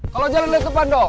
kalau jangan liat depan dong